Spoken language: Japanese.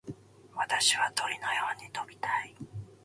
私は鳥のように飛びたい。